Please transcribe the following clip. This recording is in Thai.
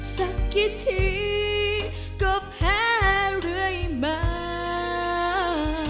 สักกี่ทีก็แพ้เรื่อยมา